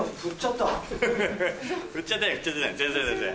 全然全然。